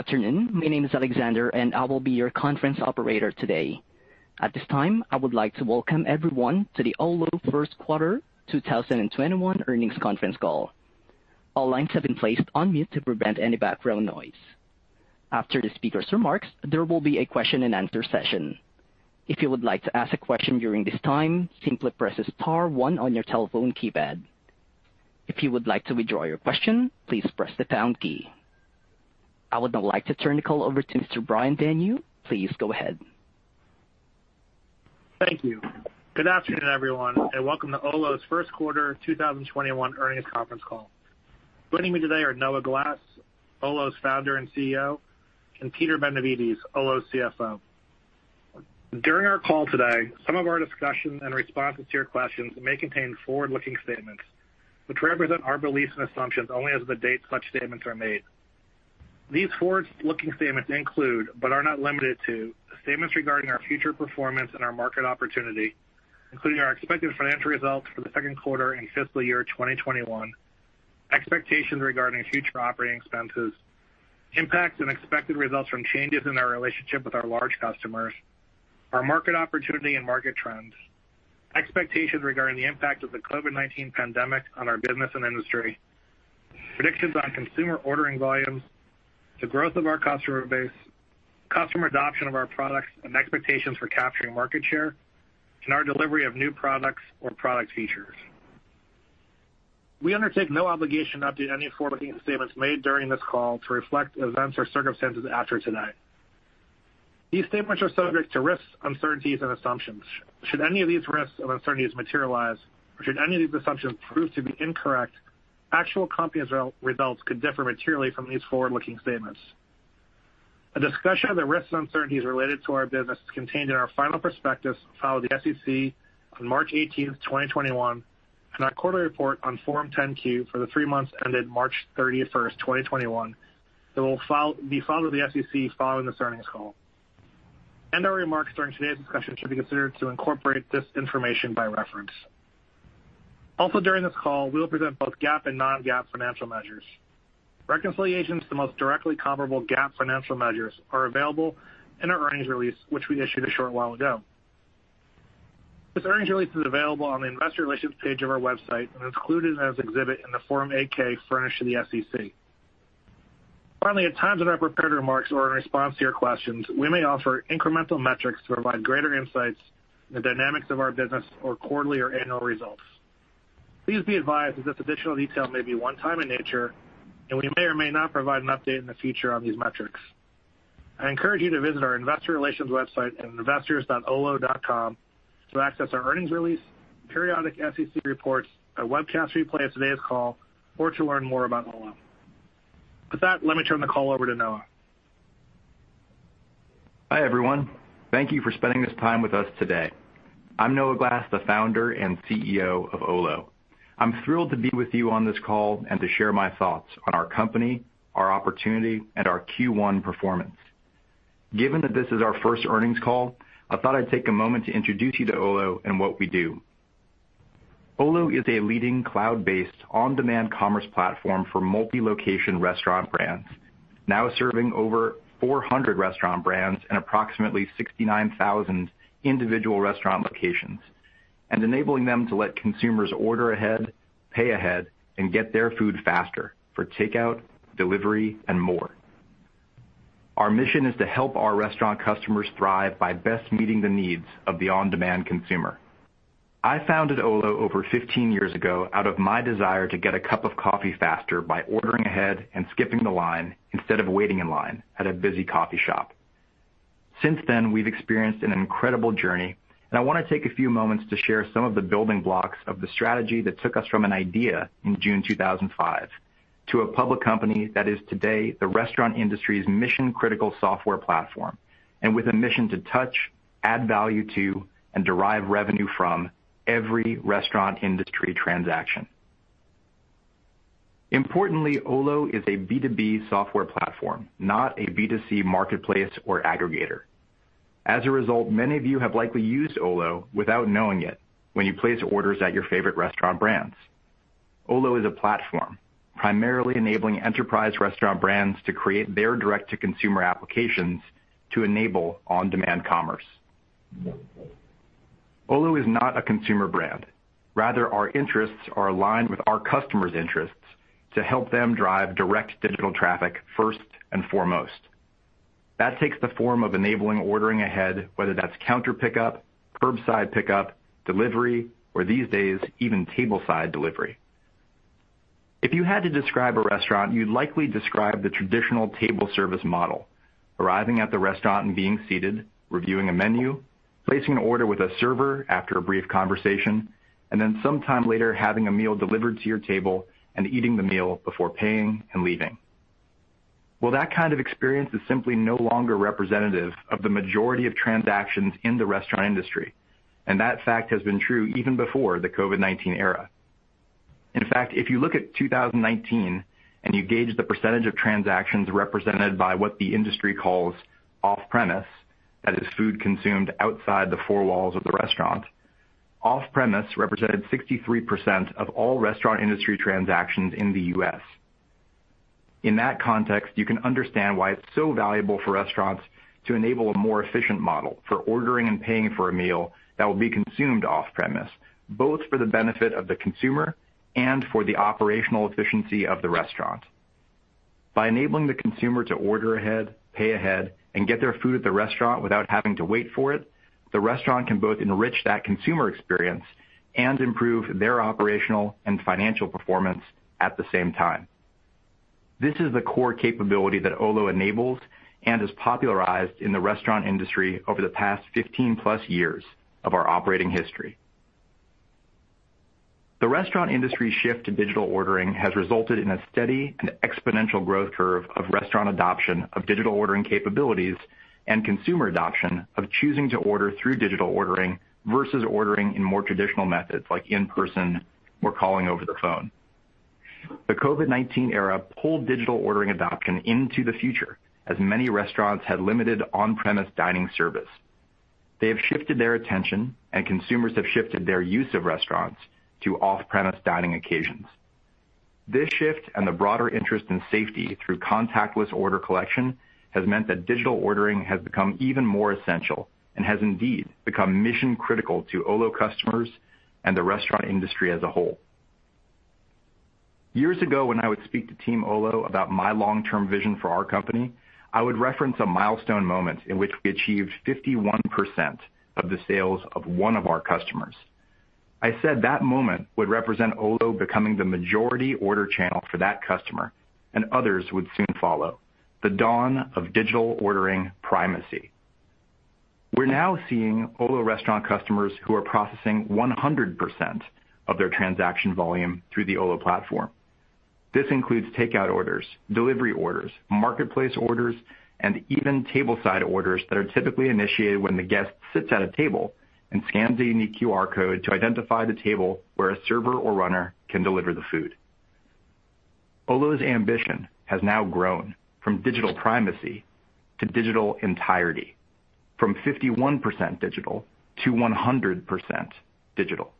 Afternoon. My name is Alexander. I will be your conference operator today. At this time, I would like to Welcome everyone to the Olo first quarter 2021 earnings conference call. All lines have been placed on mute to prevent any background noise. After the speaker's remarks, there will be a question and answer session. If you would like to ask a question during this time, simply press star one on your telephone keypad. If you would like to withdraw your question, please press the pound key. I would now like to turn the call over to Mr. Brian Denyeau. Please go ahead. Thank you. Good afternoon, everyone, and Welcome to Olo's first quarter 2021 earnings conference call. Joining me today are Noah Glass, Olo's Founder and CEO, and Peter Benevides, Olo's CFO. During our call today, some of our discussions and responses to your questions may contain forward-looking statements, which represent our beliefs and assumptions only as of the date such statements are made. These forward-looking statements include, but are not limited to, statements regarding our future performance and our market opportunity, including our expected financial results for the second quarter and fiscal year 2021, expectations regarding future operating expenses, impacts and expected results from changes in our relationship with our large customers, our market opportunity and market trends, expectations regarding the impact of the COVID-19 pandemic on our business and industry, predictions on consumer ordering volumes, the growth of our customer base, customer adoption of our products, and expectations for capturing market share, and our delivery of new products or product features. We undertake no obligation to update any forward-looking statements made during this call to reflect events or circumstances after tonight. These statements are subject to risks, uncertainties, and assumptions. Should any of these risks or uncertainties materialize, or should any of these assumptions prove to be incorrect, actual company results could differ materially from these forward-looking statements. A discussion of the risks and uncertainties related to our business is contained in our final prospectus filed with the SEC on March 18th, 2021, and our quarterly report on Form 10-Q for the three months ended March 31st, 2021, that will be filed with the SEC following this earnings call. Any remarks during today's discussion should be considered to incorporate this information by reference. Also, during this call, we will present both GAAP and non-GAAP financial measures. Reconciliations to the most directly comparable GAAP financial measures are available in our earnings release, which we issued a short while ago. This earnings release is available on the investor relations page of our website and is included as exhibit in the Form 8-K furnished to the SEC. Finally, at times in our prepared remarks or in response to your questions, we may offer incremental metrics to provide greater insights into the dynamics of our business or quarterly or annual results. Please be advised that this additional detail may be one-time in nature, and we may or may not provide an update in the future on these metrics. I encourage you to visit our investor relations website at investors.olo.com to access our earnings release, periodic SEC reports, a webcast replay of today's call, or to learn more about Olo. With that, let me turn the call over to Noah. Hi, everyone. Thank you for spending this time with us today. I'm Noah Glass, the Founder and CEO of Olo. I'm thrilled to be with you on this call and to share my thoughts on our company, our opportunity, and our Q1 performance. Given that this is our first earnings call, I thought I'd take a moment to introduce you to Olo and what we do. Olo is a leading cloud-based, on-demand commerce platform for multi-location restaurant brands, now serving over 400 restaurant brands and approximately 69,000 individual restaurant locations, and enabling them to let consumers order ahead, pay ahead, and get their food faster for takeout, delivery, and more. Our mission is to help our restaurant customers thrive by best meeting the needs of the on-demand consumer. I founded Olo over 15 years ago out of my desire to get a cup of coffee faster by ordering ahead and skipping the line instead of waiting in line at a busy coffee shop. Since then, we've experienced an incredible journey. I want to take a few moments to share some of the building blocks of the strategy that took us from an idea in June 2005 to a public company that is today the restaurant industry's mission-critical software platform, with a mission to touch, add value to, and derive revenue from every restaurant industry transaction. Importantly, Olo is a B2B software platform, not a B2C marketplace or aggregator. As a result, many of you have likely used Olo without knowing it when you place orders at your favorite restaurant brands. Olo is a platform primarily enabling enterprise restaurant brands to create their direct-to-consumer applications to enable on-demand commerce. Olo is not a consumer brand. Rather, our interests are aligned with our customers' interests to help them drive direct digital traffic first and foremost. That takes the form of enabling ordering ahead, whether that's counter pickup, curbside pickup, delivery, or these days, even tableside delivery. If you had to describe a restaurant, you'd likely describe the traditional table service model, arriving at the restaurant and being seated, reviewing a menu, placing an order with a server after a brief conversation, and then sometime later, having a meal delivered to your table and eating the meal before paying and leaving. Well, that kind of experience is simply no longer representative of the majority of transactions in the restaurant industry, and that fact has been true even before the COVID-19 era. In fact, if you look at 2019 and you gauge the percentage of transactions represented by what the industry calls off-premise, that is food consumed outside the four walls of the restaurant. Off-premise represented 63% of all restaurant industry transactions in the U.S. In that context, you can understand why it's so valuable for restaurants to enable a more efficient model for ordering and paying for a meal that will be consumed off-premise, both for the benefit of the consumer and for the operational efficiency of the restaurant. By enabling the consumer to order ahead, pay ahead, and get their food at the restaurant without having to wait for it, the restaurant can both enrich that consumer experience and improve their operational and financial performance at the same time. This is the core capability that Olo enables and has popularized in the restaurant industry over the past 15+ years of our operating history. The restaurant industry shift to digital ordering has resulted in a steady and exponential growth curve of restaurant adoption of digital ordering capabilities and consumer adoption of choosing to order through digital ordering versus ordering in more traditional methods like in-person or calling over the phone. The COVID-19 era pulled digital ordering adoption into the future, as many restaurants had limited on-premise dining service. They have shifted their attention, and consumers have shifted their use of restaurants to off-premise dining occasions. This shift and the broader interest in safety through contactless order collection has meant that digital ordering has become even more essential and has indeed become mission-critical to Olo customers and the restaurant industry as a whole. Years ago, when I would speak to team Olo about my long-term vision for our company, I would reference a milestone moment in which we achieved 51% of the sales of one of our customers. I said that moment would represent Olo becoming the majority order channel for that customer, and others would soon follow. The dawn of digital ordering primacy. We're now seeing Olo restaurant customers who are processing 100% of their transaction volume through the Olo platform. This includes takeout orders, delivery orders, marketplace orders, and even tableside orders that are typically initiated when the guest sits at a table and scans a unique QR code to identify the table where a server or runner can deliver the food. Olo's ambition has now grown from digital primacy to digital entirety, from 51% digital to 100% digital.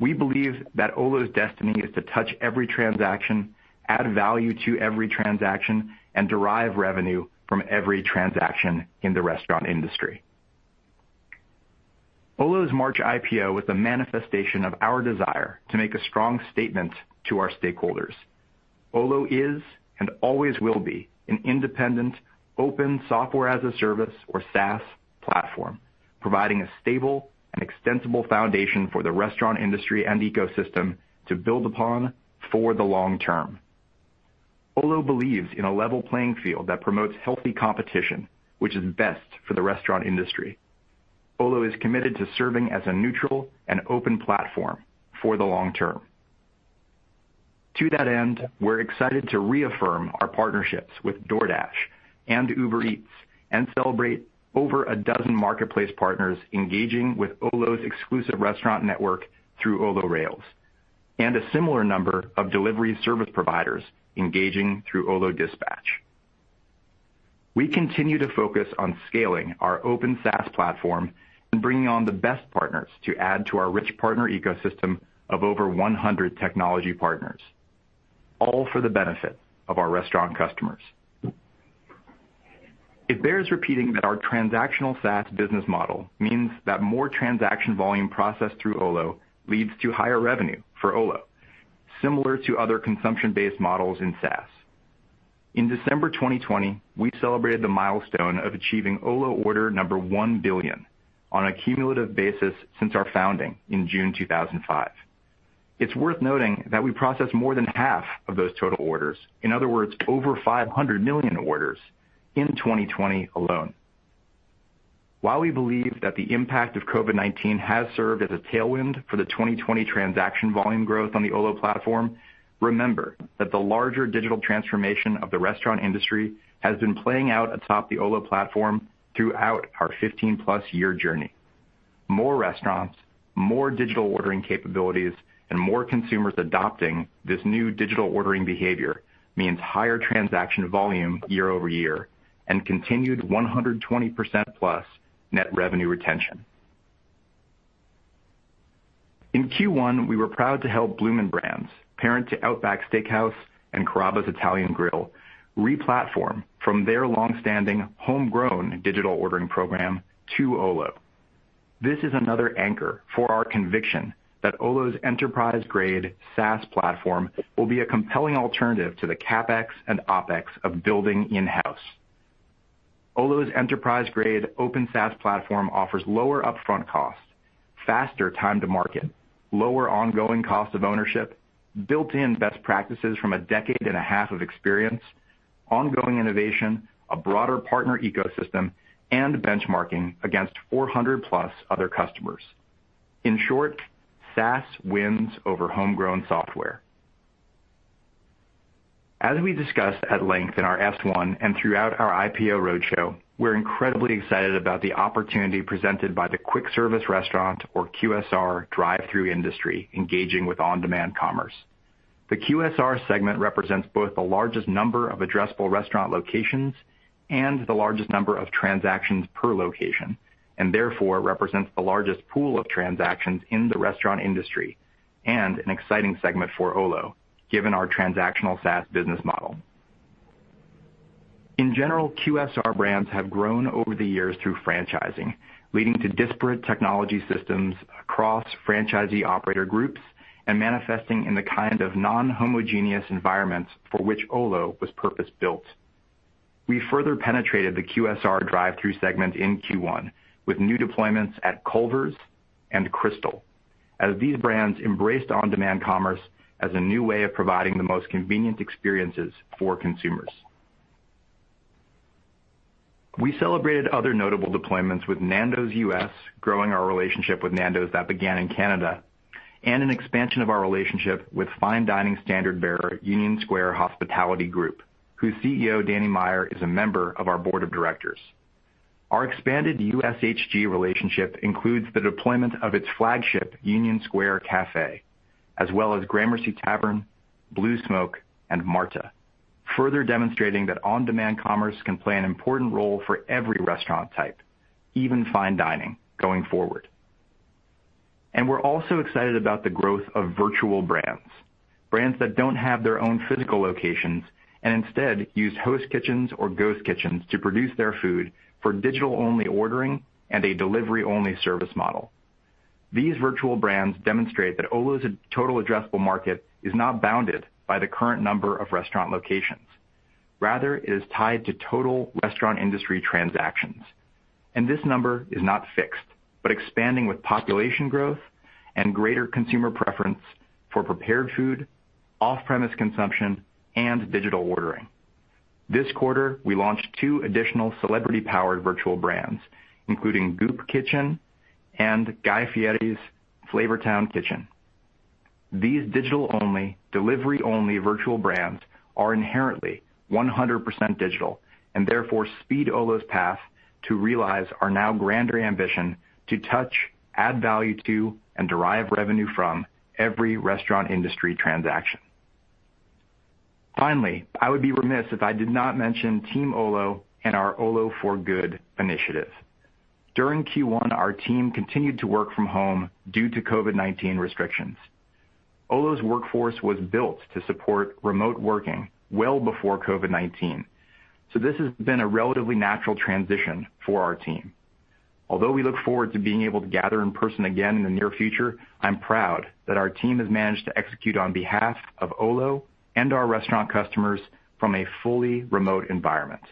We believe that Olo's destiny is to touch every transaction, add value to every transaction, and derive revenue from every transaction in the restaurant industry. Olo's March IPO was a manifestation of our desire to make a strong statement to our stakeholders. Olo is and always will be an independent, open software as a service, or SaaS, platform, providing a stable and extensible foundation for the restaurant industry and ecosystem to build upon for the long term. Olo believes in a level playing field that promotes healthy competition, which is best for the restaurant industry. Olo is committed to serving as a neutral and open platform for the long term. To that end, we're excited to reaffirm our partnerships with DoorDash and Uber Eats and celebrate over a dozen marketplace partners engaging with Olo's exclusive restaurant network through Olo Rails, and a similar number of delivery service providers engaging through Olo Dispatch. We continue to focus on scaling our open SaaS platform and bringing on the best partners to add to our rich partner ecosystem of over 100 technology partners, all for the benefit of our restaurant customers. It bears repeating that our transactional SaaS business model means that more transaction volume processed through Olo leads to higher revenue for Olo, similar to other consumption-based models in SaaS. In December 2020, we celebrated the milestone of achieving Olo order number 1 billion on a cumulative basis since our founding in June 2005. It's worth noting that we processed more than half of those total orders. In other words, over 500 million orders in 2020 alone. While we believe that the impact of COVID-19 has served as a tailwind for the 2020 transaction volume growth on the Olo platform, remember that the larger digital transformation of the restaurant industry has been playing out atop the Olo platform throughout our 15+ year journey. More restaurants, more digital ordering capabilities, and more consumers adopting this new digital ordering behavior means higher transaction volume year-over-year and continued 120%+ net revenue retention. In Q1, we were proud to help Bloomin' Brands, parent to Outback Steakhouse and Carrabba's Italian Grill, re-platform from their long-standing homegrown digital ordering program to Olo. This is another anchor for our conviction that Olo's enterprise-grade SaaS platform will be a compelling alternative to the CapEx and OpEx of building in-house. Olo's enterprise-grade open SaaS platform offers lower upfront costs, faster time to market, lower ongoing cost of ownership, built-in best practices from a decade and a half of experience, ongoing innovation, a broader partner ecosystem, and benchmarking against 400+ other customers. In short, SaaS wins over homegrown software. As we discussed at length in our S-1 and throughout our IPO roadshow, we're incredibly excited about the opportunity presented by the quick service restaurant, or QSR, drive-thru industry engaging with on-demand commerce. The QSR segment represents both the largest number of addressable restaurant locations and the largest number of transactions per location, and therefore represents the largest pool of transactions in the restaurant industry, and an exciting segment for Olo given our transactional SaaS business model. In general, QSR brands have grown over the years through franchising, leading to disparate technology systems across franchisee operator groups and manifesting in the kind of non-homogenous environments for which Olo was purpose-built. We further penetrated the QSR drive-through segment in Q1 with new deployments at Culver's and Krystal, as these brands embraced on-demand commerce as a new way of providing the most convenient experiences for consumers. We celebrated other notable deployments with Nando's US, growing our relationship with Nando's that began in Canada, and an expansion of our relationship with fine dining standard-bearer Union Square Hospitality Group, whose CEO, Dan Meyer, is a member of our Board of Directors. Our expanded USHG relationship includes the deployment of its flagship Union Square Cafe, as well as Gramercy Tavern, Blue Smoke, and Marta, further demonstrating that on-demand commerce can play an important role for every restaurant type, even fine dining, going forward. We're also excited about the growth of virtual brands that don't have their own physical locations and instead use host kitchens or ghost kitchens to produce their food for digital-only ordering and a delivery-only service model. These virtual brands demonstrate that Olo's total addressable market is not bounded by the current number of restaurant locations. Rather, it is tied to total restaurant industry transactions, and this number is not fixed, but expanding with population growth and greater consumer preference for prepared food, off-premise consumption, and digital ordering. This quarter, we launched two additional celebrity-powered virtual brands, including Goop Kitchen and Guy Fieri's Flavortown Kitchen. These digital-only, delivery-only virtual brands are inherently 100% digital and therefore speed Olo's path to realize our now grander ambition to touch, add value to, and derive revenue from every restaurant industry transaction. Finally, I would be remiss if I did not mention Team Olo and our Olo for Good initiative. During Q1, our team continued to work from home due to COVID-19 restrictions. Olo's workforce was built to support remote working well before COVID-19, so this has been a relatively natural transition for our team. Although we look forward to being able to gather in person again in the near future, I'm proud that our team has managed to execute on behalf of Olo and our restaurant customers from a fully remote environment.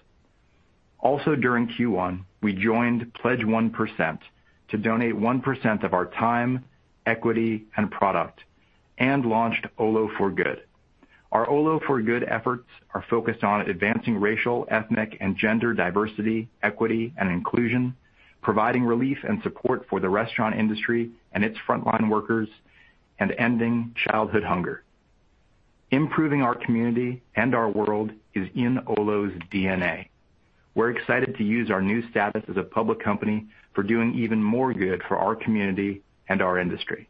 Also during Q1, we joined Pledge 1% to donate 1% of our time, equity, and product, and launched Olo for Good. Our Olo for Good efforts are focused on advancing racial, ethnic, and gender diversity, equity, and inclusion, providing relief and support for the restaurant industry and its frontline workers, and ending childhood hunger. Improving our community and our world is in Olo's DNA. We're excited to use our new status as a public company for doing even more good for our community and our industry.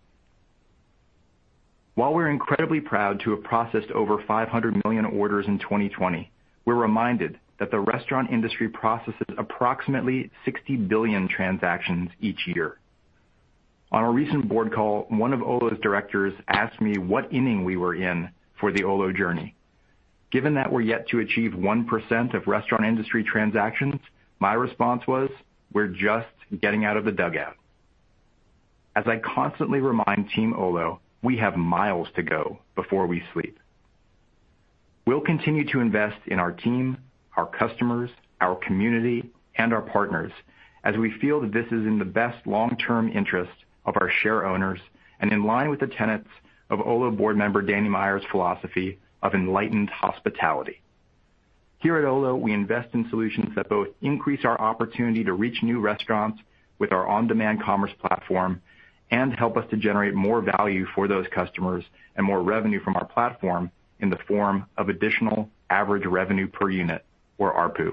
While we're incredibly proud to have processed over 500 million orders in 2020, we're reminded that the restaurant industry processes approximately 60 billion transactions each year. On a recent board call, one of Olo's directors asked me what inning we were in for the Olo journey. Given that we're yet to achieve 1% of restaurant industry transactions, my response was, "We're just getting out of the dugout." As I constantly remind Team Olo, we have miles to go before we sleep. We'll continue to invest in our team, our customers, our community, and our partners as we feel that this is in the best long-term interest of our share owners and in line with the tenets of Olo board member Dan Meyer's philosophy of enlightened hospitality. Here at Olo, we invest in solutions that both increase our opportunity to reach new restaurants with our on-demand commerce platform and help us to generate more value for those customers and more revenue from our platform in the form of additional average revenue per unit or ARPU.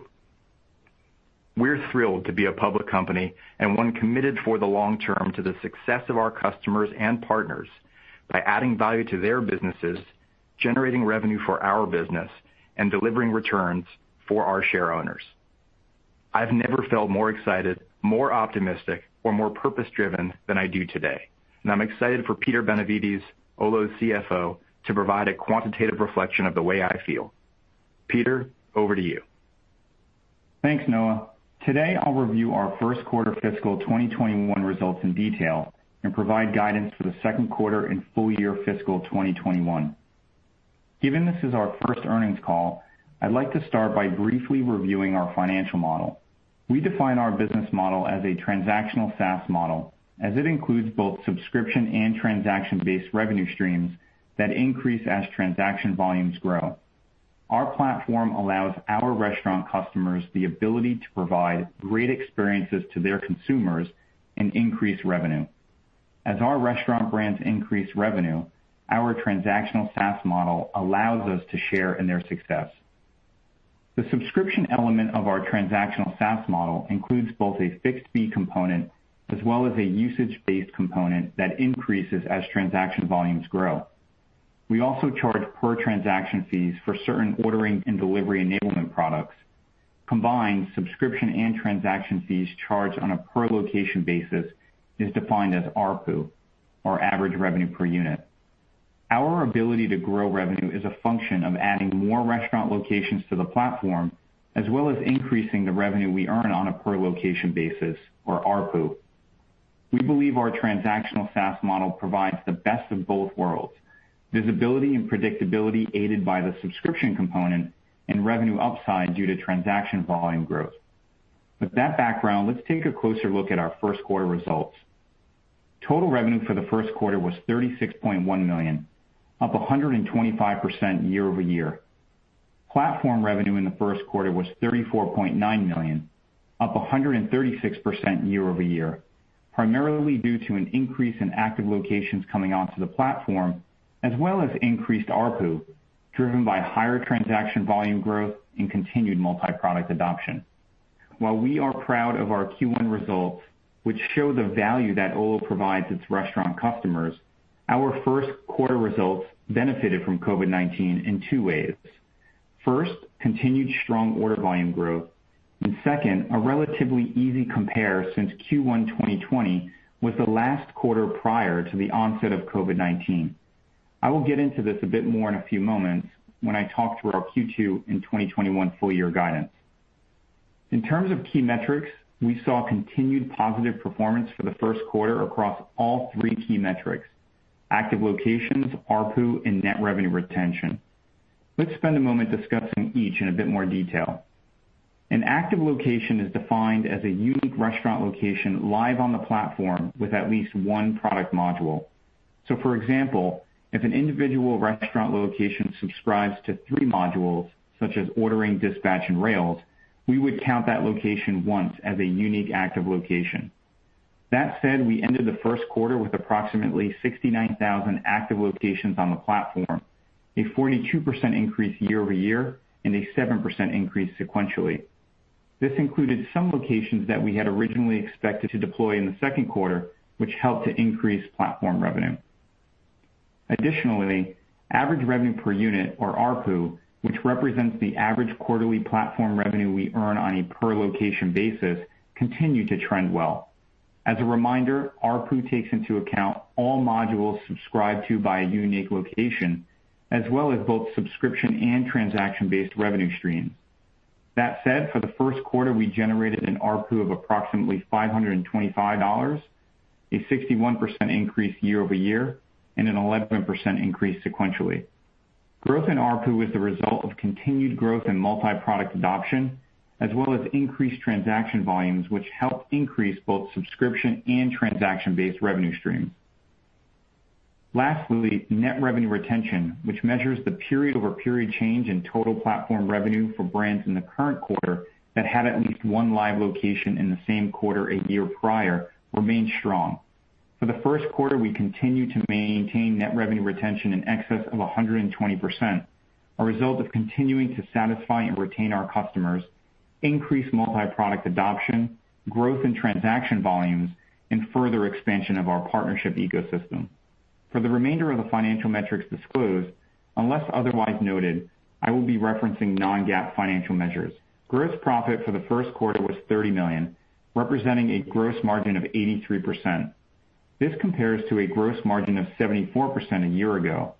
We're thrilled to be a public company and one committed for the long term to the success of our customers and partners by adding value to their businesses, generating revenue for our business, and delivering returns for our share owners. I've never felt more excited, more optimistic, or more purpose-driven than I do today, and I'm excited for Peter Benevides, Olo's CFO, to provide a quantitative reflection of the way I feel. Peter, over to you. Thanks, Noah. Today, I'll review our first quarter fiscal 2021 results in detail and provide guidance for the second quarter and full year fiscal 2021. Given this is our first earnings call, I'd like to start by briefly reviewing our financial model. We define our business model as a transactional SaaS model, as it includes both subscription and transaction-based revenue streams that increase as transaction volumes grow. Our platform allows our restaurant customers the ability to provide great experiences to their consumers and increase revenue. As our restaurant brands increase revenue, our transactional SaaS model allows us to share in their success. The subscription element of our transactional SaaS model includes both a fixed fee component as well as a usage-based component that increases as transaction volumes grow. We also charge per transaction fees for certain ordering and delivery enablement products. Combined subscription and transaction fees charged on a per location basis is defined as ARPU, or Average Revenue Per Unit. Our ability to grow revenue is a function of adding more restaurant locations to the platform, as well as increasing the revenue we earn on a per location basis, or ARPU. We believe our transactional SaaS model provides the best of both worlds, visibility and predictability aided by the subscription component and revenue upside due to transaction volume growth. With that background, let's take a closer look at our first quarter results. Total revenue for the first quarter was $36.1 million, up 125% year-over-year. Platform revenue in the first quarter was $34.9 million, up 136% year-over-year, primarily due to an increase in active locations coming onto the platform, as well as increased ARPU driven by higher transaction volume growth and continued multi-product adoption. While we are proud of our Q1 results, which show the value that Olo provides its restaurant customers, our first quarter results benefited from COVID-19 in two ways. First, continued strong order volume growth, and second, a relatively easy compare since Q1 2020 was the last quarter prior to the onset of COVID-19. I will get into this a bit more in a few moments when I talk through our Q2 and 2021 full year guidance. In terms of key metrics, we saw continued positive performance for the first quarter across all three key metrics, active locations, ARPU, and net revenue retention. Let's spend a moment discussing each in a bit more detail. An active location is defined as a unique restaurant location live on the platform with at least one product module. For example, if an individual restaurant location subscribes to three modules such as ordering, Dispatch, and Rails, we would count that location once as a unique active location. That said, we ended the first quarter with approximately 69,000 active locations on the platform, a 42% increase year-over-year and a 7% increase sequentially. This included some locations that we had originally expected to deploy in the second quarter, which helped to increase platform revenue. Additionally, average revenue per unit or ARPU, which represents the average quarterly platform revenue we earn on a per location basis, continued to trend well. As a reminder, ARPU takes into account all modules subscribed to by a unique location, as well as both subscription and transaction-based revenue streams. That said, for the first quarter, we generated an ARPU of approximately $525, a 61% increase year-over-year, and an 11% increase sequentially. Growth in ARPU is the result of continued growth in multi-product adoption, as well as increased transaction volumes, which helped increase both subscription and transaction-based revenue streams. Lastly, net revenue retention, which measures the period-over-period change in total platform revenue for brands in the current quarter that had at least one live location in the same quarter a year prior, remained strong. For the first quarter, we continued to maintain net revenue retention in excess of 120%, a result of continuing to satisfy and retain our customers, increase multi-product adoption, growth in transaction volumes, and further expansion of our partnership ecosystem. For the remainder of the financial metrics disclosed, unless otherwise noted, I will be referencing non-GAAP financial measures. Gross profit for the first quarter was $30 million, representing a gross margin of 83%. This compares to a gross margin of 74% a year ago.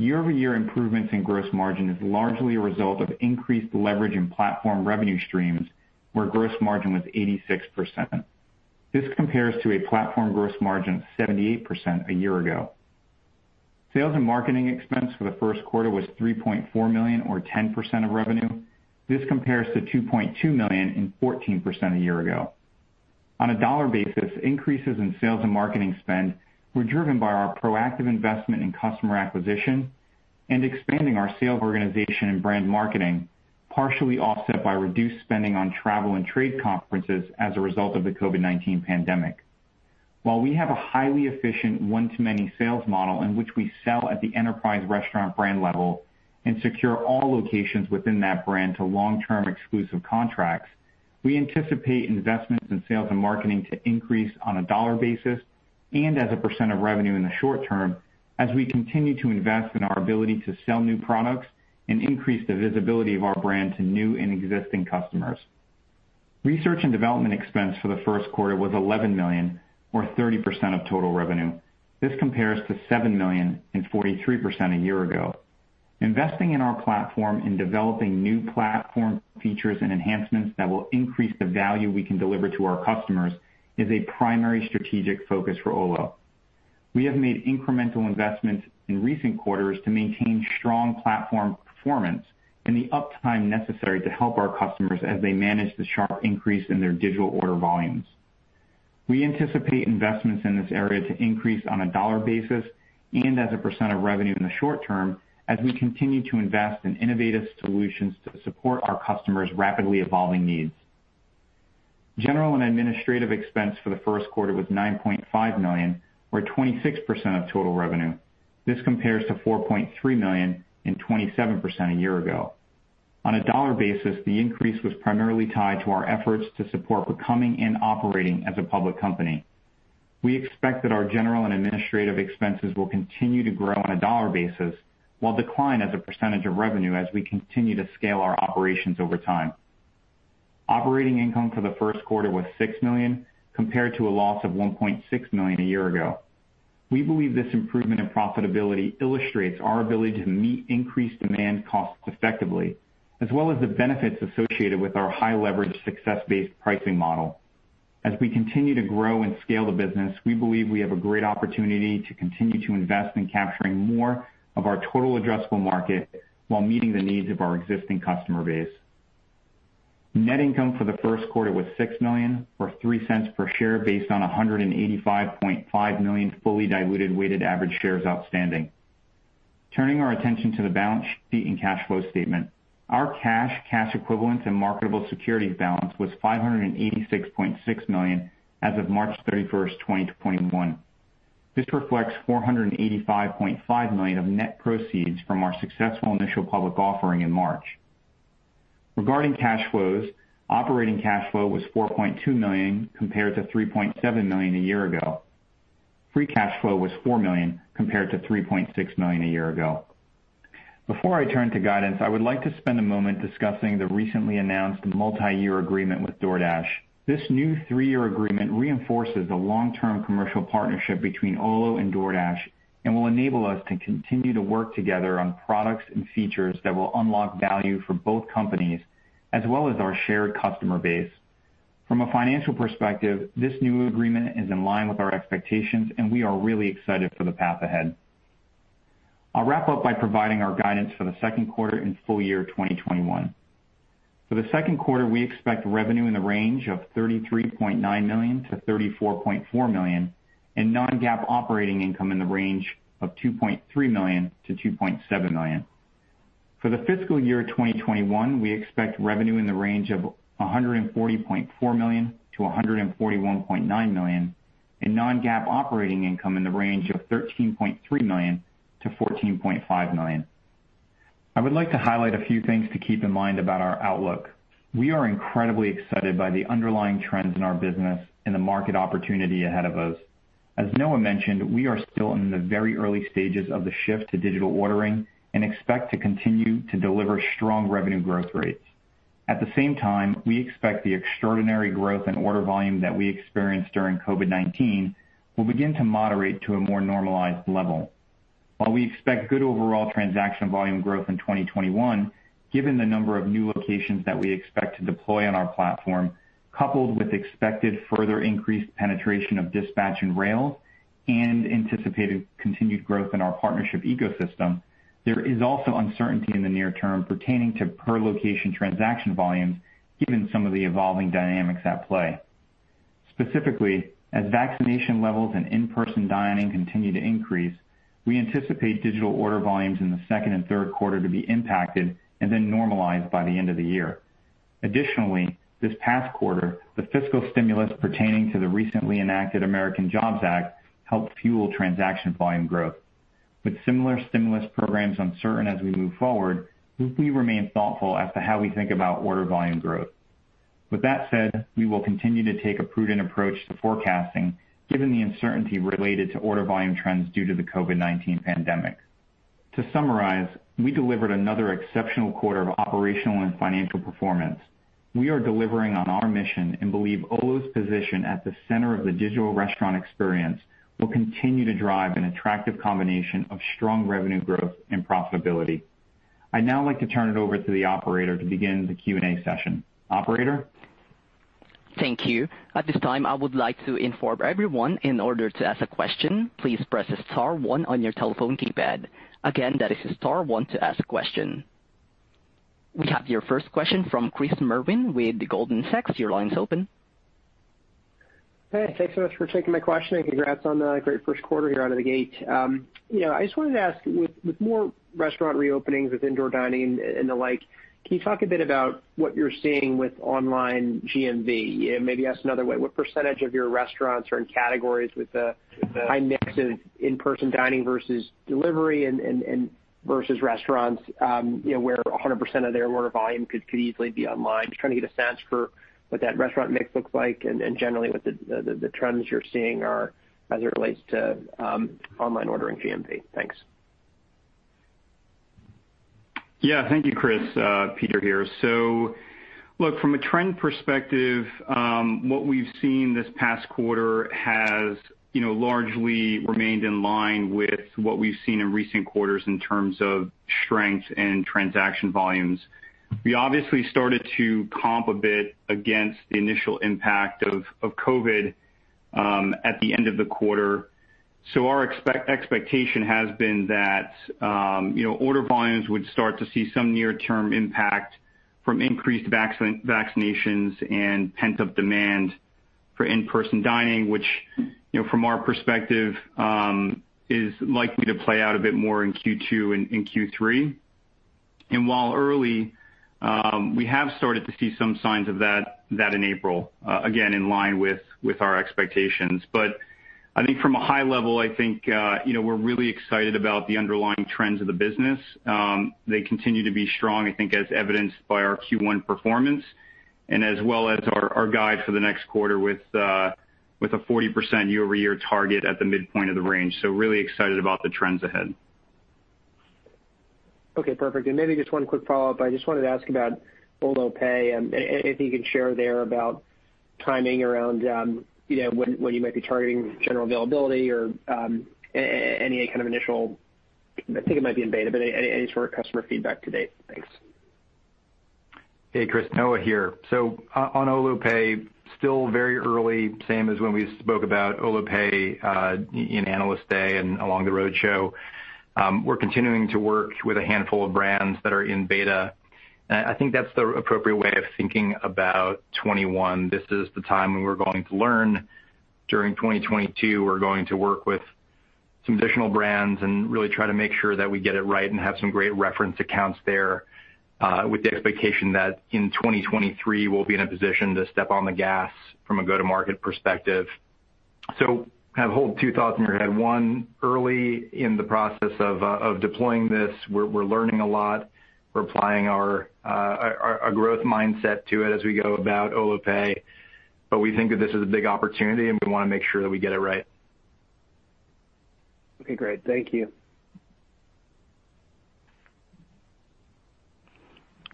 Year-over-year improvements in gross margin is largely a result of increased leverage in platform revenue streams, where gross margin was 86%. This compares to a platform gross margin of 78% a year ago. Sales and marketing expense for the first quarter was $3.4 million or 10% of revenue. This compares to $2.2 million and 14% a year ago. On a dollar basis, increases in sales and marketing spend were driven by our proactive investment in customer acquisition and expanding our sales organization and brand marketing, partially offset by reduced spending on travel and trade conferences as a result of the COVID-19 pandemic. While we have a highly efficient one-to-many sales model in which we sell at the enterprise restaurant brand level and secure all locations within that brand to long-term exclusive contracts, we anticipate investments in sales and marketing to increase on a dollar basis and as a percent of revenue in the short term as we continue to invest in our ability to sell new products and increase the visibility of our brand to new and existing customers. Research and development expense for the first quarter was $11 million or 30% of total revenue. This compares to $7 million and 43% a year ago. Investing in our platform in developing new platform features and enhancements that will increase the value we can deliver to our customers is a primary strategic focus for Olo. We have made incremental investments in recent quarters to maintain strong platform performance and the uptime necessary to help our customers as they manage the sharp increase in their digital order volumes. We anticipate investments in this area to increase on a dollar basis and as a percent of revenue in the short term as we continue to invest in innovative solutions to support our customers' rapidly evolving needs. General and administrative expense for the first quarter was $9.5 million, or 26% of total revenue. This compares to $4.3 million and 27% a year ago. On a dollar basis, the increase was primarily tied to our efforts to support becoming and operating as a public company. We expect that our general and administrative expenses will continue to grow on a dollar basis while decline as a percentage of revenue as we continue to scale our operations over time. Operating income for the first quarter was $6 million, compared to a loss of $1.6 million a year ago. We believe this improvement in profitability illustrates our ability to meet increased demand costs effectively, as well as the benefits associated with our high-leverage success-based pricing model. As we continue to grow and scale the business, we believe we have a great opportunity to continue to invest in capturing more of our total addressable market while meeting the needs of our existing customer base. Net income for the first quarter was $6 million, or $0.03 per share based on 185.5 million fully diluted weighted average shares outstanding. Turning our attention to the balance sheet and cash flow statement. Our cash equivalents and marketable securities balance was $586.6 million as of March 31st, 2021. This reflects $485.5 million of net proceeds from our successful initial public offering in March. Regarding cash flows, operating cash flow was $4.2 million, compared to $3.7 million a year ago. Free cash flow was $4 million, compared to $3.6 million a year ago. Before I turn to guidance, I would like to spend a moment discussing the recently announced multi-year agreement with DoorDash. This new three-year agreement reinforces the long-term commercial partnership between Olo and DoorDash, and will enable us to continue to work together on products and features that will unlock value for both companies, as well as our shared customer base. From a financial perspective, this new agreement is in line with our expectations, and we are really excited for the path ahead. I'll wrap up by providing our guidance for the second quarter and full year 2021. For the second quarter, we expect revenue in the range of $33.9 million-$34.4 million, and non-GAAP operating income in the range of $2.3 million-$2.7 million. For the fiscal year 2021, we expect revenue in the range of $140.4 million-$141.9 million, and non-GAAP operating income in the range of $13.3 million-$14.5 million. I would like to highlight a few things to keep in mind about our outlook. We are incredibly excited by the underlying trends in our business and the market opportunity ahead of us. As Noah mentioned, we are still in the very early stages of the shift to digital ordering and expect to continue to deliver strong revenue growth rates. At the same time, we expect the extraordinary growth and order volume that we experienced during COVID-19 will begin to moderate to a more normalized level. While we expect good overall transaction volume growth in 2021, given the number of new locations that we expect to deploy on our platform, coupled with expected further increased penetration of Dispatch and Rails, and anticipated continued growth in our partnership ecosystem, there is also uncertainty in the near term pertaining to per location transaction volumes, given some of the evolving dynamics at play. Specifically, as vaccination levels and in-person dining continue to increase, we anticipate digital order volumes in the second and third quarter to be impacted and then normalized by the end of the year. Additionally, this past quarter, the fiscal stimulus pertaining to the recently enacted American Jobs Plan Act helped fuel transaction volume growth. With similar stimulus programs uncertain as we move forward, we remain thoughtful as to how we think about order volume growth. With that said, we will continue to take a prudent approach to forecasting given the uncertainty related to order volume trends due to the COVID-19 pandemic. To summarize, we delivered another exceptional quarter of operational and financial performance. We are delivering on our mission and believe Olo's position at the center of the digital restaurant experience will continue to drive an attractive combination of strong revenue growth and profitability. I'd now like to turn it over to the operator to begin the Q&A session. Operator? Thank you. At this time, I would like to inform everyone in order to ask a question, please press star one on your telephone keypad. Again, that is star one to ask a question. We have your first question from Chris Mervin with Goldman Sachs. Your line is open. Hey, thanks so much for taking my question. Congrats on the great first quarter here out of the gate. I just wanted to ask, with more restaurant reopenings with indoor dining and the like, can you talk a bit about what you're seeing with online GMV? Maybe ask another way, what percentage of your restaurants are in categories with the high mix of in-person dining versus delivery and versus restaurants where 100% of their order volume could easily be online? Just trying to get a sense for what that restaurant mix looks like and generally what the trends you're seeing are as it relates to online ordering GMV. Thanks. Yeah. Thank you, Chris. Peter here. Look, from a trend perspective, what we've seen this past quarter has largely remained in line with what we've seen in recent quarters in terms of strength and transaction volumes. We obviously started to comp a bit against the initial impact of COVID at the end of the quarter. Our expectation has been that order volumes would start to see some near-term impact from increased vaccinations and pent-up demand for in-person dining, which from our perspective is likely to play out a bit more in Q2 and Q3. While early, we have started to see some signs of that in April, again, in line with our expectations. I think from a high level, I think we're really excited about the underlying trends of the business. They continue to be strong, I think, as evidenced by our Q1 performance and as well as our guide for the next quarter with a 40% year-over-year target at the midpoint of the range. Really excited about the trends ahead. Okay, perfect. Maybe just one quick follow-up. I just wanted to ask about Olo Pay and if you can share there about timing around when you might be targeting general availability or any kind of initial, I think it might be in beta, but any sort of customer feedback to date. Thanks. Hey, Chris, Noah here. On Olo Pay, still very early, same as when we spoke about Olo Pay in Analyst Day and along the roadshow. We're continuing to work with a handful of brands that are in beta. I think that's the appropriate way of thinking about 2021. This is the time when we're going to learn. During 2022, we're going to work with some additional brands and really try to make sure that we get it right and have some great reference accounts there, with the expectation that in 2023, we'll be in a position to step on the gas from a go-to-market perspective. Have a whole two thoughts in your head. One, early in the process of deploying this, we're learning a lot. We're applying our growth mindset to it as we go about Olo Pay. We think that this is a big opportunity, and we want to make sure that we get it right. Okay, great. Thank you.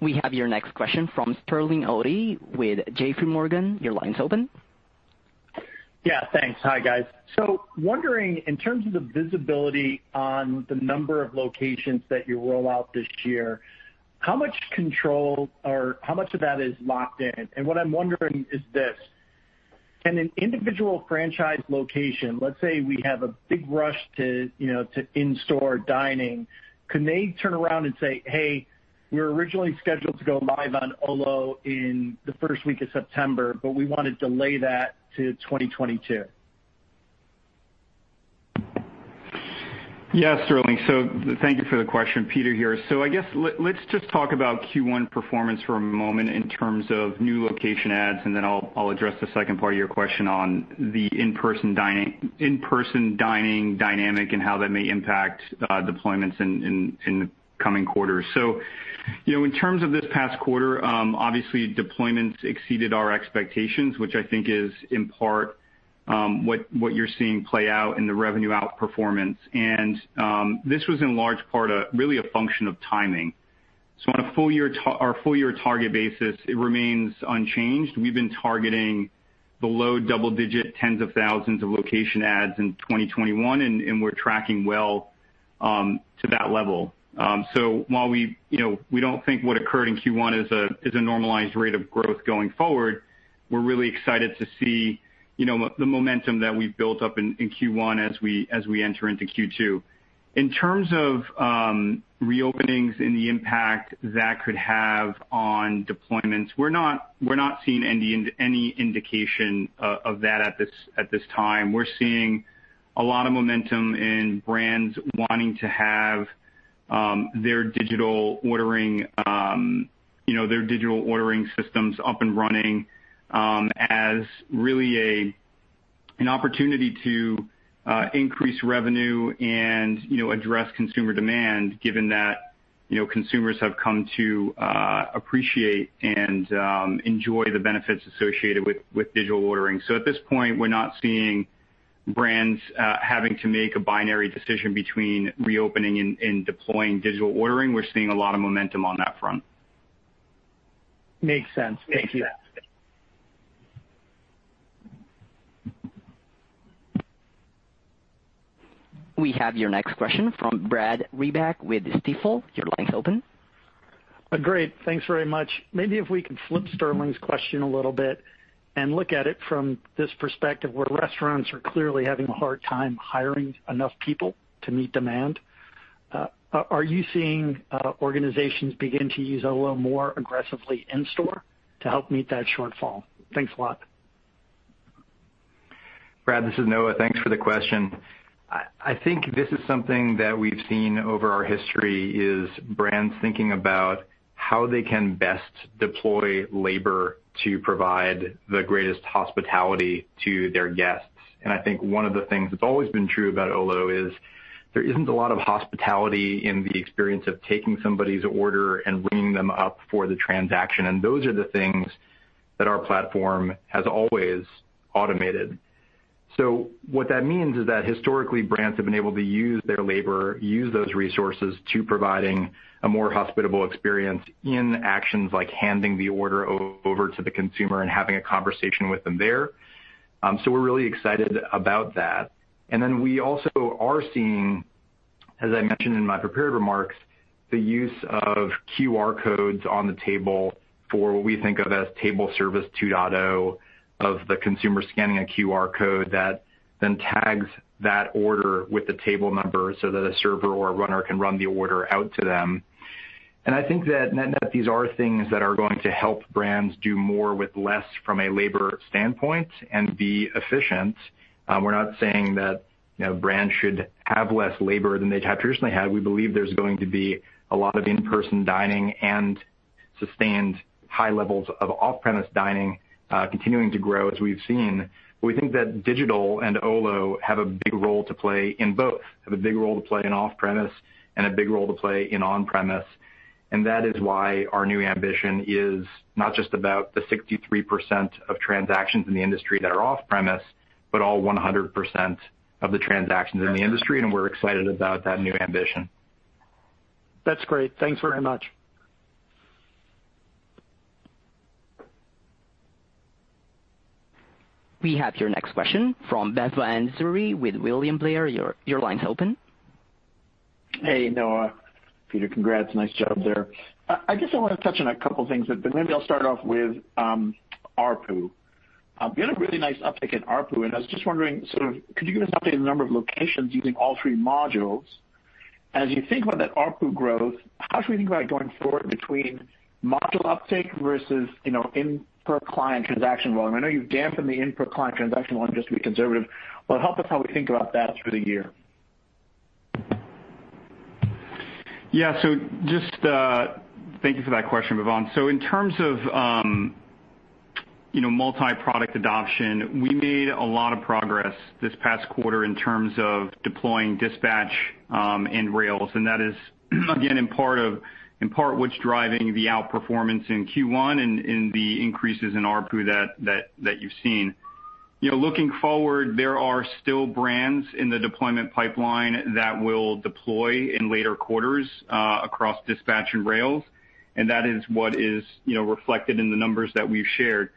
We have your next question from Sterling Auty with JPMorgan. Your line is open. Yeah, thanks. Hi, guys. Wondering, in terms of the visibility on the number of locations that you roll out this year, how much control or how much of that is locked in? What I'm wondering is this: in an individual franchise location, let's say we have a big rush to in-store dining, can they turn around and say, "Hey, we were originally scheduled to go live on Olo in the first week of September, but we want to delay that to 2022? Yeah, Sterling. Thank you for the question. Peter here. I guess let's just talk about Q1 performance for a moment in terms of new location adds, and then I'll address the second part of your question on the in-person dining dynamic and how that may impact deployments in the coming quarters. In terms of this past quarter, obviously deployments exceeded our expectations, which I think is in part what you're seeing play out in the revenue outperformance. This was in large part really a function of timing. On our full-year target basis, it remains unchanged. We've been targeting the low double-digit tens of thousands of location adds in 2021, and we're tracking well to that level. While we don't think what occurred in Q1 is a normalized rate of growth going forward, we're really excited to see the momentum that we've built up in Q1 as we enter into Q2. In terms of reopenings and the impact that could have on deployments, we're not seeing any indication of that at this time. We're seeing a lot of momentum in brands wanting to have their digital ordering systems up and running as really an opportunity to increase revenue and address consumer demand, given that consumers have come to appreciate and enjoy the benefits associated with digital ordering. At this point, we're not seeing brands having to make a binary decision between reopening and deploying digital ordering. We're seeing a lot of momentum on that front. Makes sense. Thank you. We have your next question from Brad Reback with Stifel. Your line is open. Great. Thanks very much. Maybe if we can flip Sterling's question a little bit and look at it from this perspective where restaurants are clearly having a hard time hiring enough people to meet demand. Are you seeing organizations begin to use Olo more aggressively in-store to help meet that shortfall? Thanks a lot. Brad, this is Noah. Thanks for the question. I think this is something that we've seen over our history, is brands thinking about how they can best deploy labor to provide the greatest hospitality to their guests. I think one of the things that's always been true about Olo is there isn't a lot of hospitality in the experience of taking somebody's order and ringing them up for the transaction, and those are the things that our platform has always automated. What that means is that historically, brands have been able to use their labor, use those resources to providing a more hospitable experience in actions like handing the order over to the consumer and having a conversation with them there. We're really excited about that. Then we also are seeing, as I mentioned in my prepared remarks, the use of QR codes on the table for what we think of as table service 2.0, of the consumer scanning a QR code that then tags that order with the table number so that a server or a runner can run the order out to them. I think that net-net these are things that are going to help brands do more with less from a labor standpoint and be efficient. We're not saying that brands should have less labor than they'd traditionally had. We believe there's going to be a lot of in-person dining and sustained high levels of off-premise dining continuing to grow as we've seen. We think that digital and Olo have a big role to play in both. Have a big role to play in off-premise and a big role to play in on-premise. That is why our new ambition is not just about the 63% of transactions in the industry that are off-premise, but all 100% of the transactions in the industry, and we're excited about that new ambition. That's great. Thanks very much. We have your next question from Bhavan Suri with William Blair. Your line's open. Hey, Noah, Peter, congrats. Nice job there. I guess I want to touch on a couple things, but maybe I'll start off with ARPU. You had a really nice uptick in ARPU, and I was just wondering, could you give us an update on the number of locations using all three modules? As you think about that ARPU growth, how should we think about going forward between module uptake versus in per client transaction volume? I know you've dampened the input client transaction volume just to be conservative, but help us how we think about that through the year. Yeah. Thank you for that question, Bhavan. In terms of multi-product adoption, we made a lot of progress this past quarter in terms of deploying Dispatch and Rails, and that is again, in part what's driving the outperformance in Q1 and the increases in ARPU that you've seen. Looking forward, there are still brands in the deployment pipeline that will deploy in later quarters across Dispatch and Rails, and that is what is reflected in the numbers that we've shared.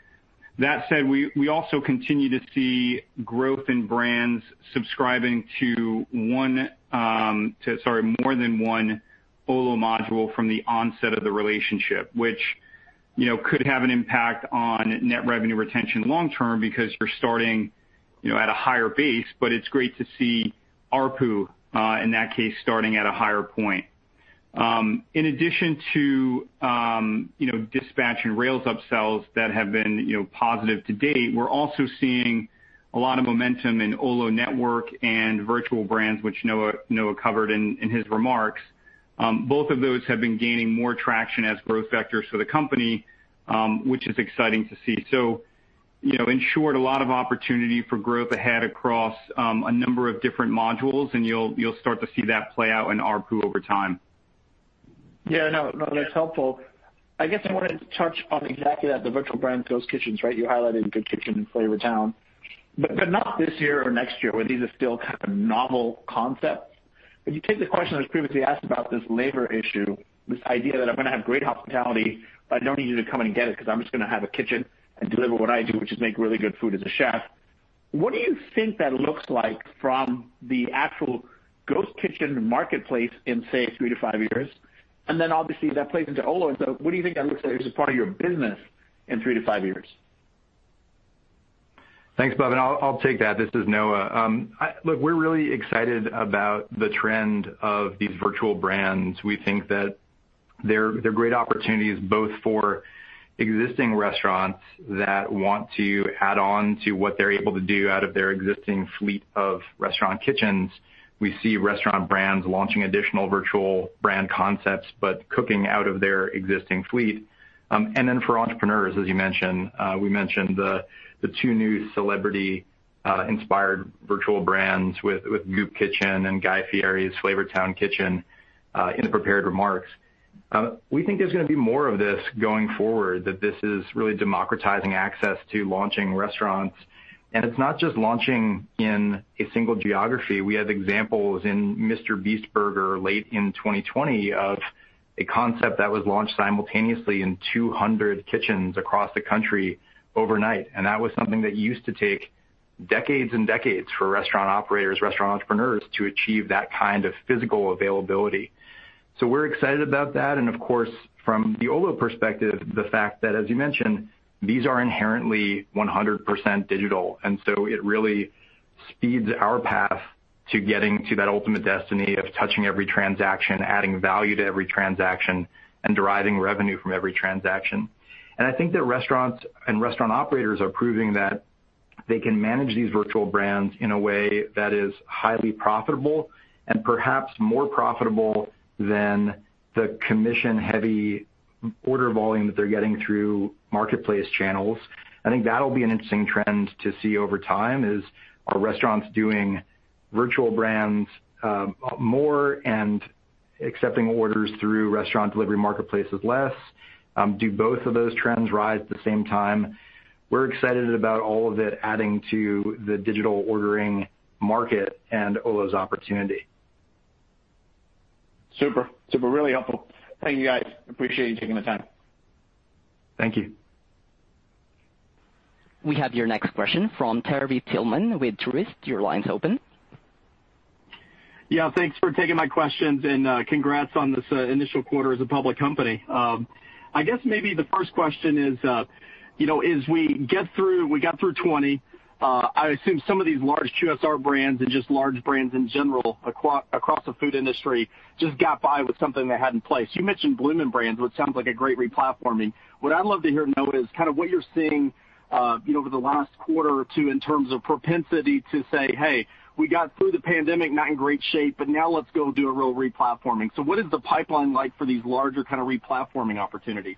That said, we also continue to see growth in brands subscribing to more than one Olo module from the onset of the relationship. Which could have an impact on net revenue retention long term because you're starting at a higher base, but it's great to see ARPU, in that case, starting at a higher point. In addition to Dispatch and Rails upsells that have been positive to date, we are also seeing a lot of momentum in Olo Network and virtual brands, which Noah covered in his remarks. Both of those have been gaining more traction as growth vectors for the company, which is exciting to see. In short, a lot of opportunity for growth ahead across a number of different modules, and you will start to see that play out in ARPU over time. Yeah. No, that's helpful. I guess I wanted to touch on exactly that, the virtual brands, ghost kitchens, right? You highlighted Goop Kitchen and Flavortown. Not this year or next year, where these are still kind of novel concepts. If you take the question that was previously asked about this labor issue, this idea that I am going to have great hospitality, but I don't need you to come in and get it because I am just going to have a kitchen and deliver what I do, which is make really good food as a chef. What do you think that looks like from the actual ghost kitchen marketplace in, say, three to five years? Then obviously that plays into Olo, what do you think that looks like as a part of your business in three to five years? Thanks, Bhavan. I'll take that. This is Noah. Look, we're really excited about the trend of these virtual brands. We think that they're great opportunities both for existing restaurants that want to add on to what they're able to do out of their existing fleet of restaurant kitchens. We see restaurant brands launching additional virtual brand concepts, but cooking out of their existing fleet. For entrepreneurs, as you mentioned, we mentioned the two new celebrity-inspired virtual brands with Goop Kitchen and Guy Fieri's Flavortown Kitchen in the prepared remarks. We think there's going to be more of this going forward, that this is really democratizing access to launching restaurants. It's not just launching in a single geography. We have examples in MrBeast Burger late in 2020 of a concept that was launched simultaneously in 200 kitchens across the country overnight. That was something that used to take decades and decades for restaurant operators, restaurant entrepreneurs to achieve that kind of physical availability. We're excited about that, and of course, from the Olo perspective, the fact that, as you mentioned, these are inherently 100% digital. It really speeds our path to getting to that ultimate destiny of touching every transaction, adding value to every transaction, and deriving revenue from every transaction. I think that restaurants and restaurant operators are proving that they can manage these virtual brands in a way that is highly profitable and perhaps more profitable than the commission-heavy order volume that they're getting through marketplace channels. I think that'll be an interesting trend to see over time is, are restaurants doing virtual brands more and accepting orders through restaurant delivery marketplaces less? Do both of those trends rise at the same time? We're excited about all of it adding to the digital ordering market and Olo's opportunity. Super. Really helpful. Thank you, guys. Appreciate you taking the time. Thank you. We have your next question from Terry Tillman with Truist. Your line's open. Yeah. Thanks for taking my questions and congrats on this initial quarter as a public company. I guess maybe the first question is, as we got through 2020, I assume some of these large QSR brands and just large brands in general across the food industry just got by with something they had in place. You mentioned Bloomin' Brands, which sounds like a great re-platforming. What I'd love to hear, Noah, is kind of what you're seeing over the last quarter or two in terms of propensity to say, "Hey, we got through the pandemic not in great shape, but now let's go do a real re-platforming." What is the pipeline like for these larger kind of re-platforming opportunities?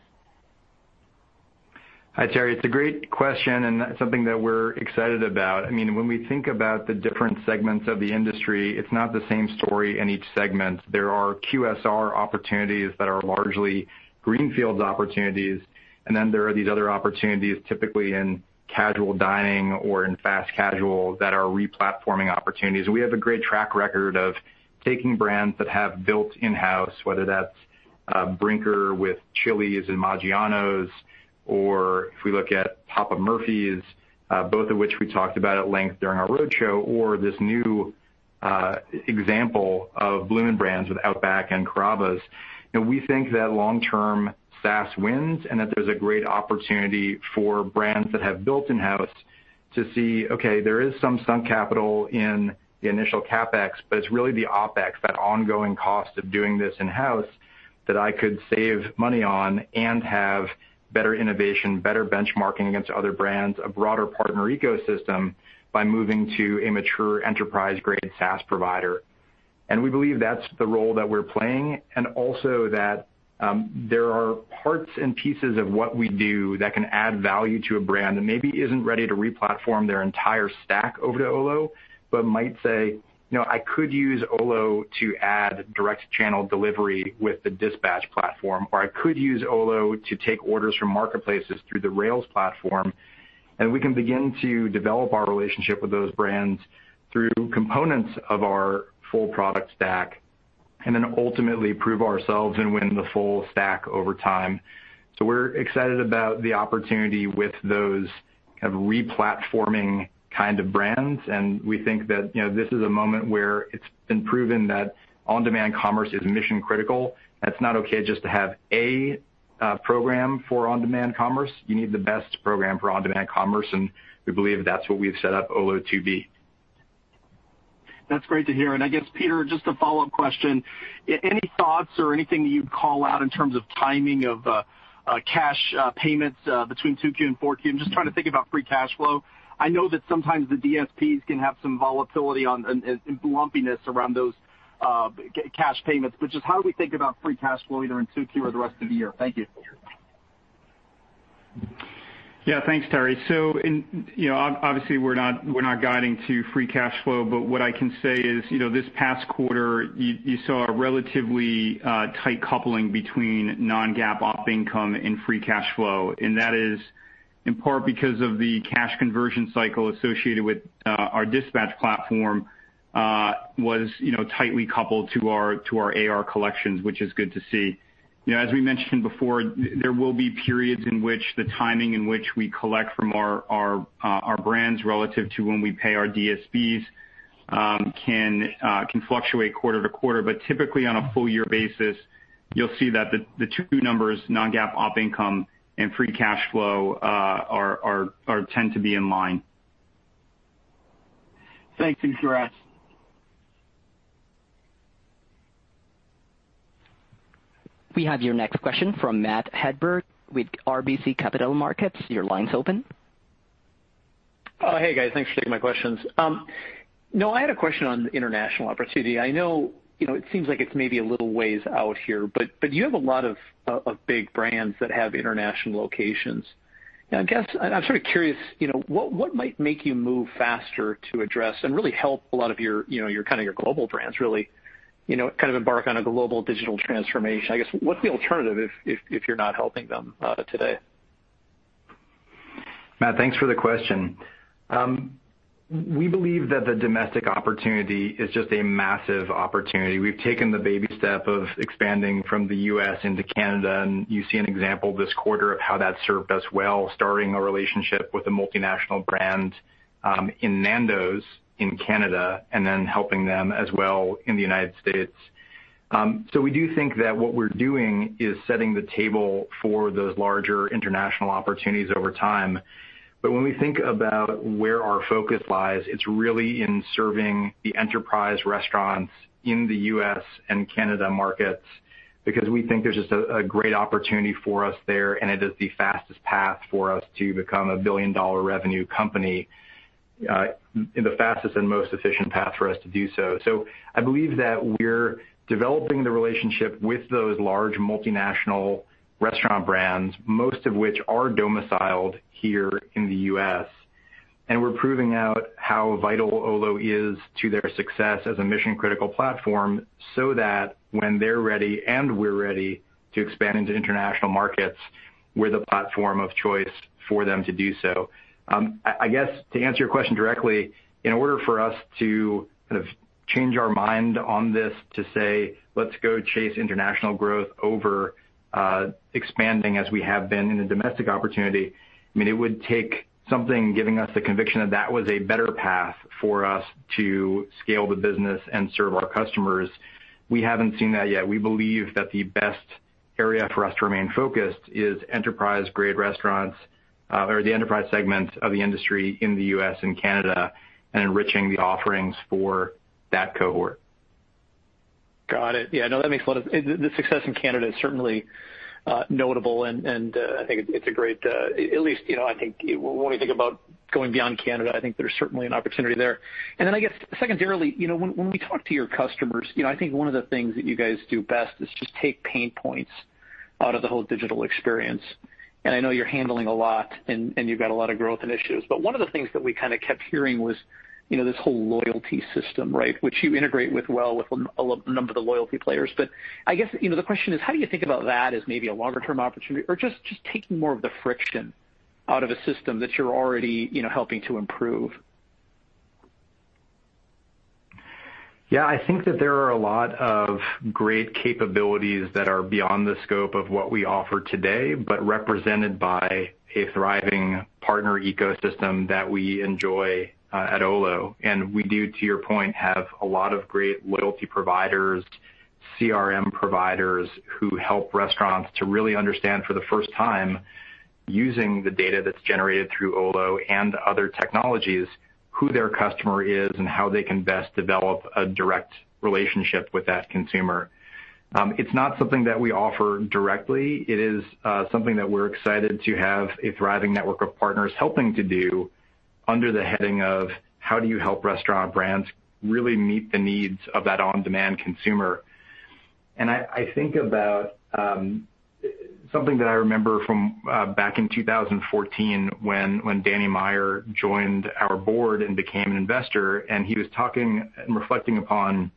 Hi, Terry. It's a great question, and something that we're excited about. When we think about the different segments of the industry, it's not the same story in each segment. There are QSR opportunities that are largely greenfield opportunities, and then there are these other opportunities, typically in casual dining or in fast casual, that are re-platforming opportunities. We have a great track record of taking brands that have built in-house, whether that's Brinker with Chili's and Maggiano's, or if we look at Papa Murphy's, both of which we talked about at length during our roadshow, or this new example of Bloomin' Brands with Outback and Carrabba's. We think that long-term SaaS wins, and that there's a great opportunity for brands that have built in-house to see, okay, there is some sunk capital in the initial CapEx, but it's really the OpEx, that ongoing cost of doing this in-house, that I could save money on and have better innovation, better benchmarking against other brands, a broader partner ecosystem, by moving to a mature enterprise-grade SaaS provider. We believe that's the role that we're playing, and also that there are parts and pieces of what we do that can add value to a brand that maybe isn't ready to re-platform their entire stack over to Olo, but might say, "I could use Olo to add direct channel delivery with the Dispatch platform," or, "I could use Olo to take orders from marketplaces through the Rails platform." We can begin to develop our relationship with those brands through components of our full product stack, and then ultimately prove ourselves and win the full stack over time. We're excited about the opportunity with those kind of re-platforming kind of brands, and we think that this is a moment where it's been proven that on-demand commerce is mission critical. That it's not okay just to have a program for on-demand commerce. You need the best program for on-demand commerce, and we believe that's what we've set up Olo to be. That's great to hear. I guess, Peter, just a follow-up question. Any thoughts or anything that you'd call out in terms of timing of cash payments between 2Q and 4Q? I'm just trying to think about free cash flow. I know that sometimes the DSPs can have some volatility and lumpiness around those cash payments, just how do we think about free cash flow either in 2Q or the rest of the year? Thank you. Yeah. Thanks, Terry. Obviously, we're not guiding to free cash flow, but what I can say is, this past quarter, you saw a relatively tight coupling between non-GAAP op income and free cash flow. That is in part because of the cash conversion cycle associated with our Dispatch platform was tightly coupled to our AR collections, which is good to see. As we mentioned before, there will be periods in which the timing in which we collect from our brands relative to when we pay our DSPs can fluctuate quarter to quarter. Typically, on a full year basis, you'll see that the two numbers, non-GAAP op income and free cash flow, tend to be in line. Thanks. Congrats. We have your next question from Matt Hedberg with RBC Capital Markets. Your line's open. Hey, guys. Thanks for taking my questions. Noah, I had a question on international opportunity. I know it seems like it's maybe a little ways out here, but you have a lot of big brands that have international locations. I guess I'm sort of curious, what might make you move faster to address and really help a lot of your global brands really embark on a global digital transformation? I guess, what's the alternative if you're not helping them today? Matt, thanks for the question. We believe that the domestic opportunity is just a massive opportunity. We've taken the baby step of expanding from the U.S. into Canada. You see an example this quarter of how that served us well, starting a relationship with a multinational brand in Nando's in Canada, and then helping them as well in the United States. We do think that what we're doing is setting the table for those larger international opportunities over time. When we think about where our focus lies, it's really in serving the enterprise restaurants in the U.S. and Canada markets, because we think there's just a great opportunity for us there, and it is the fastest path for us to become a billion-dollar revenue company, and the fastest and most efficient path for us to do so. I believe that we're developing the relationship with those large multinational restaurant brands, most of which are domiciled here in the U.S., and we're proving out how vital Olo is to their success as a mission-critical platform, so that when they're ready and we're ready to expand into international markets, we're the platform of choice for them to do so. I guess, to answer your question directly, in order for us to kind of change our mind on this to say, "Let's go chase international growth over expanding as we have been in a domestic opportunity," it would take something giving us the conviction that that was a better path for us to scale the business and serve our customers. We haven't seen that yet. We believe that the best area for us to remain focused is enterprise-grade restaurants, or the enterprise segment of the industry in the U.S. and Canada, and enriching the offerings for that cohort. Got it. The success in Canada is certainly notable, and I think it's great. At least, I think when we think about going beyond Canada, I think there's certainly an opportunity there. Then I guess secondarily, when we talk to your customers, I think one of the things that you guys do best is just take pain points out of the whole digital experience. And I know you're handling a lot and you've got a lot of growth initiatives, but one of the things that we kind of kept hearing was this whole loyalty system, right? Which you integrate with well with a number of the loyalty players. I guess, the question is, how do you think about that as maybe a longer-term opportunity or just taking more of the friction out of a system that you're already helping to improve? Yeah, I think that there are a lot of great capabilities that are beyond the scope of what we offer today, but represented by a thriving partner ecosystem that we enjoy at Olo. We do, to your point, have a lot of great loyalty providers, CRM providers who help restaurants to really understand, for the first time, using the data that's generated through Olo and other technologies, who their customer is and how they can best develop a direct relationship with that consumer. It's not something that we offer directly. It is something that we're excited to have a thriving network of partners helping to do under the heading of how do you help restaurant brands really meet the needs of that on-demand consumer. I think about something that I remember from back in 2014 when Danny Meyer joined our board and became an investor, he was talking and reflecting upon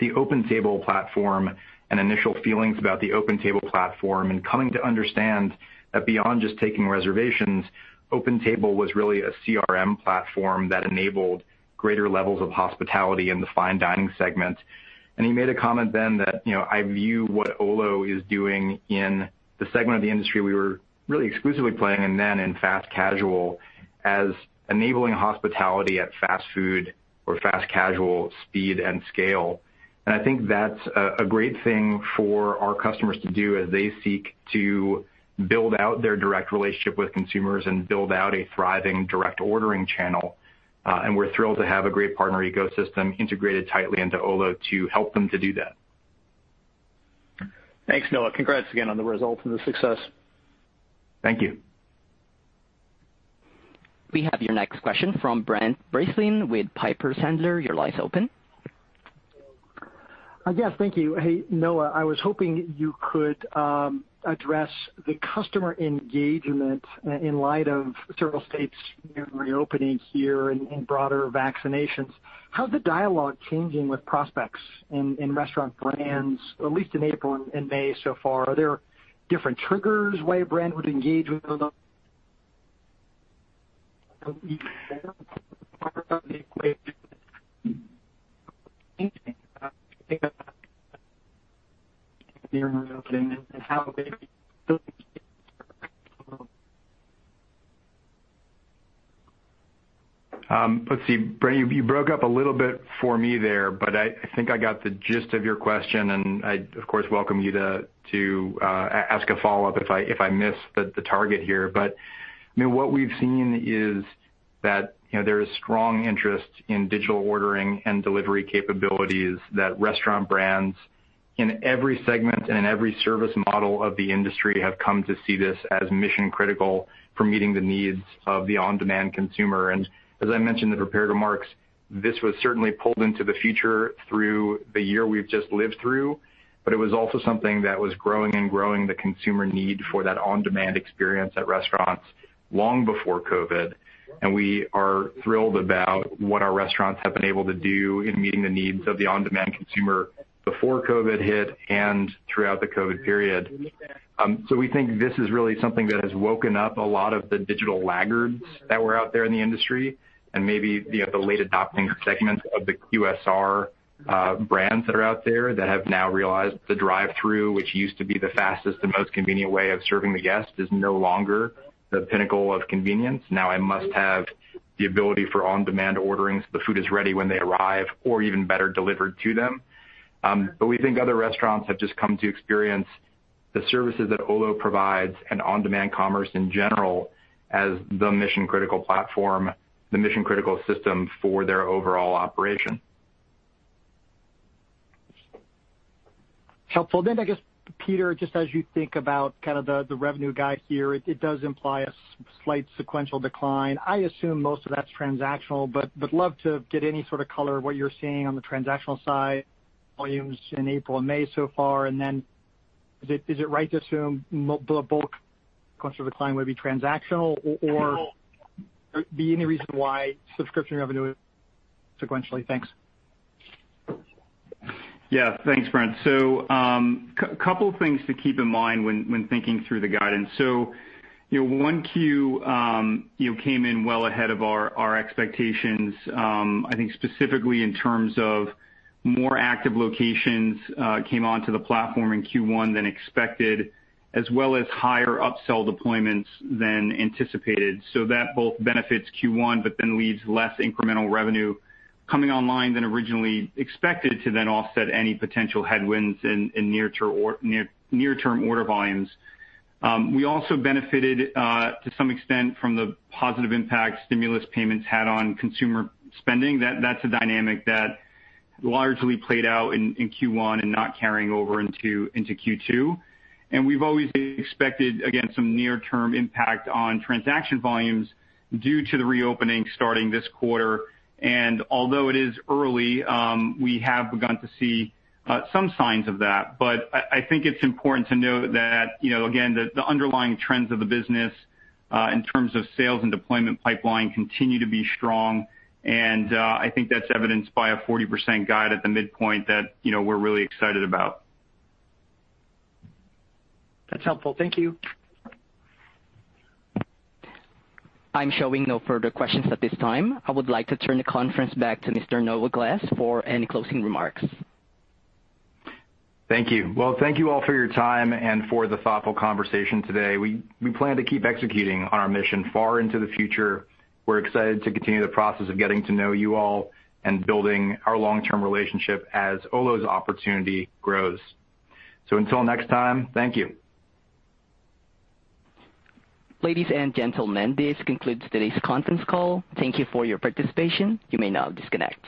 the OpenTable platform and initial feelings about the OpenTable platform, and coming to understand that beyond just taking reservations, OpenTable was really a CRM platform that enabled greater levels of hospitality in the fine dining segment. He made a comment then that, I view what Olo is doing in the segment of the industry we were really exclusively playing in then in fast casual as enabling hospitality at fast food or fast casual speed and scale. I think that's a great thing for our customers to do as they seek to build out their direct relationship with consumers and build out a thriving direct ordering channel. We're thrilled to have a great partner ecosystem integrated tightly into Olo to help them to do that. Thanks, Noah. Congrats again on the results and the success. Thank you. We have your next question from Brent Bracelin with Piper Sandler. Your line is open. Yeah, thank you. Hey, Noah, I was hoping you could address the customer engagement in light of several states reopening here and broader vaccinations. How is the dialogue changing with prospects in restaurant brands, at least in April and May so far? Are there different triggers, way a brand would engage with them part of the equation reopening and how they? Let's see, Brent, you broke up a little bit for me there, but I think I got the gist of your question, and I, of course, welcome you to ask a follow-up if I miss the target here. What we've seen is that there is strong interest in digital ordering and delivery capabilities that restaurant brands in every segment and in every service model of the industry have come to see this as mission critical for meeting the needs of the on-demand consumer. As I mentioned in the prepared remarks, this was certainly pulled into the future through the year we've just lived through, but it was also something that was growing and growing, the consumer need for that on-demand experience at restaurants long before COVID, and we are thrilled about what our restaurants have been able to do in meeting the needs of the on-demand consumer before COVID hit and throughout the COVID period. We think this is really something that has woken up a lot of the digital laggards that were out there in the industry and maybe the late adopting segments of the QSR brands that are out there that have now realized the drive-through, which used to be the fastest and most convenient way of serving the guest, is no longer the pinnacle of convenience. I must have the ability for on-demand ordering so the food is ready when they arrive, or even better, delivered to them. We think other restaurants have just come to experience the services that Olo provides and on-demand commerce in general as the mission-critical platform, the mission-critical system for their overall operation. Helpful. I guess, Peter, just as you think about kind of the revenue guide here, it does imply a slight sequential decline. I assume most of that's transactional, but would love to get any sort of color what you're seeing on the transactional side, volumes in April and May so far. Is it right to assume the bulk decline would be transactional or be any reason why subscription revenue sequentially? Thanks. Thanks, Brent. A couple things to keep in mind when thinking through the guidance. 1Q came in well ahead of our expectations. I think specifically in terms of more active locations came onto the platform in Q1 than expected, as well as higher upsell deployments than anticipated. That both benefits Q1 but then leaves less incremental revenue coming online than originally expected to then offset any potential headwinds in near-term order volumes. We also benefited, to some extent, from the positive impact stimulus payments had on consumer spending. That's a dynamic that largely played out in Q1 and not carrying over into Q2. We've always expected, again, some near-term impact on transaction volumes due to the reopening starting this quarter. Although it is early, we have begun to see some signs of that. I think it's important to note that, again, the underlying trends of the business in terms of sales and deployment pipeline continue to be strong, and I think that's evidenced by a 40% guide at the midpoint that we're really excited about. That's helpful. Thank you. I'm showing no further questions at this time. I would like to turn the conference back to Mr. Noah Glass for any closing remarks. Thank you. Well, thank you all for your time and for the thoughtful conversation today. We plan to keep executing on our mission far into the future. We're excited to continue the process of getting to know you all and building our long-term relationship as Olo's opportunity grows. Until next time, thank you. Ladies and gentlemen, this concludes today's conference call. Thank you for your participation. You may now disconnect.